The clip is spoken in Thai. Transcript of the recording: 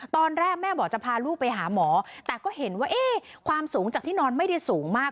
ตอนแรกแม่บอกจะพาลูกไปหาหมอแต่ก็เห็นว่าความสูงจากที่นอนไม่ได้สูงมาก